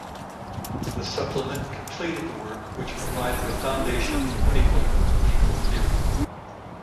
The supplement completed the work, which provided the foundation for papal legal theory.